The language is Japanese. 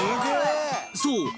そう